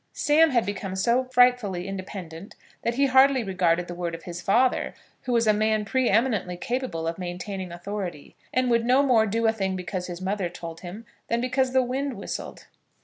Sam had become so frightfully independent that he hardly regarded the word of his father, who was a man pre eminently capable of maintaining authority, and would no more do a thing because his mother told him than because the wind whistled.